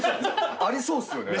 ありそうっすよね。